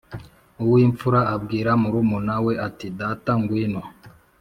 Uw imfura abwira murumuna we ati Data ngwino